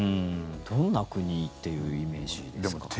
どんな国というイメージですか。